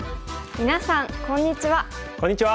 みなさんこんにちは。